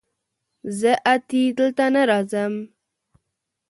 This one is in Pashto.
زه اتي دلته نه راځم